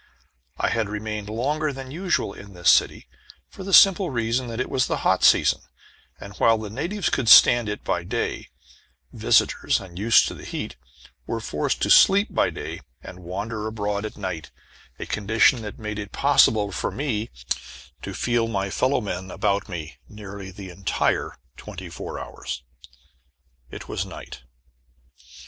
I had remained longer than usual in this city, for the simple reason that it was the hot season, and while the natives could stand it by day, visitors, unused to the heat, were forced to sleep by day and wander abroad by night, a condition that made it possible for me to feel my fellowmen about me nearly the entire twenty four hours. It was night.